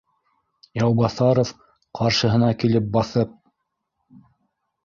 Яубаҫаров ҡаршыһына килеп баҫып: